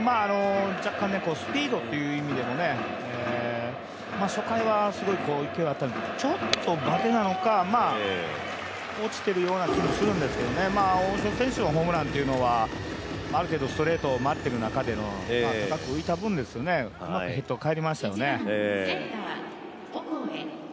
若干スピードっていう意味でも初回は勢いがあったんだけどちょっとバテなのか落ちてるような気もするんですけど大城選手のホームランというのはある程度ストレートを待っている中での高く浮いた分、うまくヘッドかえりましたよね。